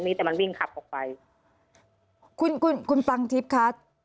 แต่มันวิ่งขับออกไปคุณคุณคุณปรังทิพย์คะ